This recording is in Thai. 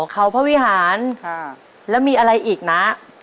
เขาพระวิหารแล้วมีอะไรอีกนะ